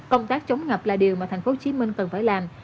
công tác chống ngập là điều mà thành phố hồ chí minh cần phải làm